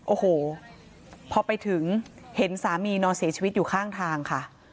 โอ้โหพอไปถึงเห็นสามีนอนเสียชีวิตอยู่ข้างทางค่ะ